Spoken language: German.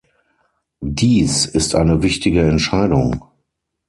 Dies ist eine wichtige Entscheidung.